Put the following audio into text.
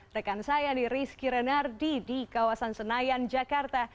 rekan saya di rizky renardi di kawasan senayan jakarta